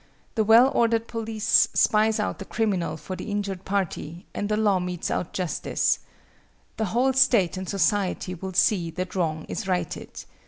The well ordered police spies out the criminal for the injured party and the law metes out justice. The whole state and society will see that wrong is righted.